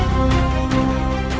kau akan menang